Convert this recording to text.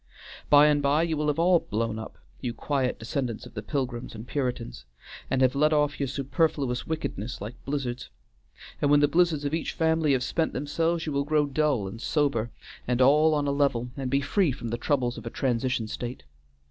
By and by you will have all blown up, you quiet descendants of the Pilgrims and Puritans, and have let off your superfluous wickedness like blizzards; and when the blizzards of each family have spent themselves you will grow dull and sober, and all on a level, and be free from the troubles of a transition state.